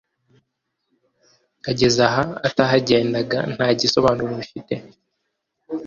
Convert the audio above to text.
agezaha atahagendaga ntagisobanuro bifite?"